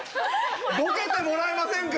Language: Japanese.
ボケてもらえませんか？